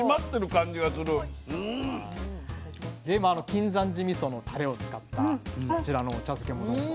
金山寺みそのタレを使ったこちらのお茶漬けもどうぞ。